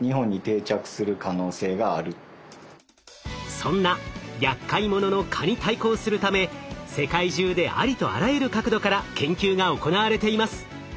そんなやっかい者の蚊に対抗するため世界中でありとあらゆる角度から研究が行われています。